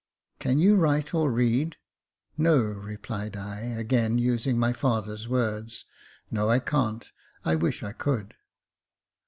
" Can you write or read ?"" No," replied I, again using my father's words :" No, I can't ; I wish I could."